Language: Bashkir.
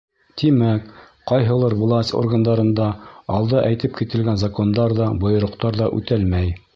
Тимәк, ҡайһылыр власть органдарында алда әйтеп кителгән закондар ҙа, бойороҡтар ҙа үтәлмәй.